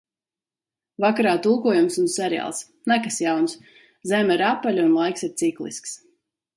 Vakarā tulkojums un seriāls. Nekas jauns. Zeme ir apaļa un laiks ir ciklisks.